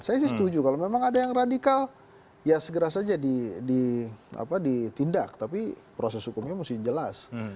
saya sih setuju kalau memang ada yang radikal ya segera saja ditindak tapi proses hukumnya mesti jelas